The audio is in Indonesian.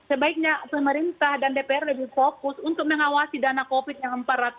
sebaiknya pemerintah dan dpr lebih fokus untuk mengawasi dana covid yang empat ratus